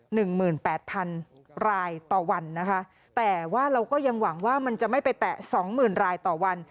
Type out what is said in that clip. หนึ่งหมื่นแปดพันรายต่อวันนะคะแต่ว่าเราก็ยังหวังว่ามันจะไม่ไปแตะสองหมื่นรายต่อวัน